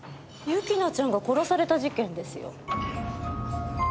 由紀奈ちゃんが殺された事件ですよ。